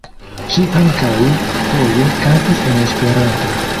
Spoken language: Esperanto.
Ŝi ankaŭ foje kantis en Esperanto.